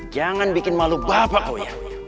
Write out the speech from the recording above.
jangan bikin malu bapak kau ya